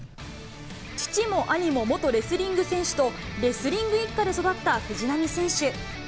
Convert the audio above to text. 父も兄も元レスリング選手と、レスリング一家で育った藤波選手。